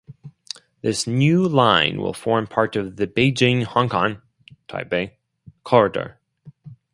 This new line will form part of the Beijing–Hong Kong (Taipei) corridor.